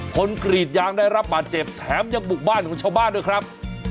กรีดยางได้รับบาดเจ็บแถมยังบุกบ้านของชาวบ้านด้วยครับ